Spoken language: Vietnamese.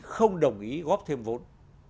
không đồng ý góp thêm vốn